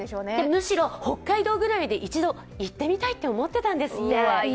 むしろ北海道ぐらい、一度、行ってみたいと思ってたんですって。